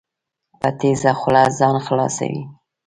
په تېزه خوله ځان خلاصوي.